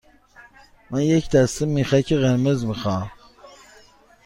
من یک دسته میخک قرمز می خواهم.